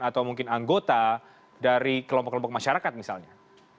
atau mungkin anggota dari kelompok kelompok masyarakat misalnya